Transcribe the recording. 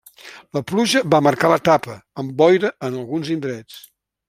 La pluja va marcar l'etapa, amb boira en alguns indrets.